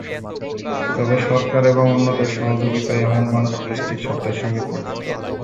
তবে সরকার এবং অন্যদের সহযোগিতায় এখন মানুষ অটিস্টিক শব্দের সঙ্গে পরিচিত।